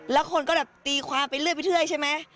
แล้วคนก็ตีความเป็นเลือดพิเทื่อยใช่ไหม